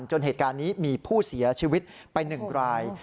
จนเหตุการณ์นี้มีผู้เสียชีวิตไป๑ราย